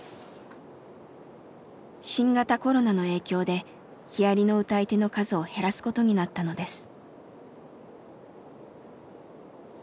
新型コロナの影響で「木遣り」の歌い手の数を減らすことになったのです。